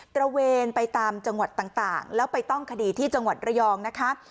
ระเวนไปตามจังหวัดต่างแล้วไปต้องคดีที่จังหวัดระยองนะคะ